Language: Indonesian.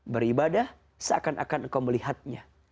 beribadah seakan akan engkau melihatnya